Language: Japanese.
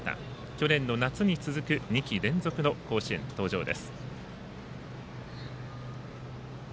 去年の夏に続く２季連続の甲子園登場です。